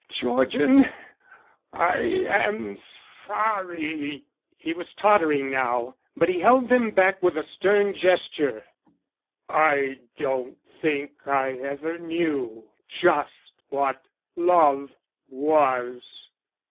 Georgian, I am sorry " He was tottering now, but he held them back with a stern gesture, "I don't think I ever knew just what love was.